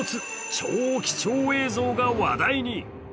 超貴重映像が話題に。